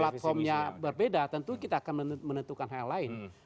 platformnya berbeda tentu kita akan menentukan hal lain